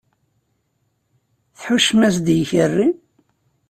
Tḥuccem-as-d i ikerri?